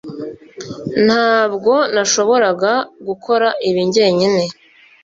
Ntabwo nashoboraga gukora ibi njyenyine